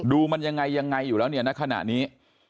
ดูมันยังไงอยู่แล้วเนี่ยนะขณะนี้